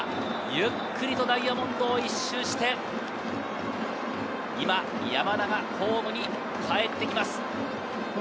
ゆっくりとダイヤモンドを１周して、山田がホームにかえってきます。